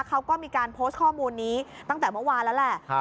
เขาก็มีการโพสต์ข้อมูลนี้ตั้งแต่เมื่อวานแล้วแหละ